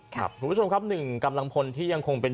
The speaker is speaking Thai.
คุณผู้ชมครับหนึ่งกำลังพลที่ยังคงเป็น